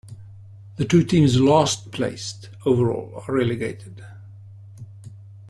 The two teams last placed overall are relegated.